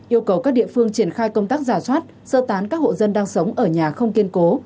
yêu cầu các địa phương triển khai công tác giả soát sơ tán các hộ dân đang sống ở nhà không kiên cố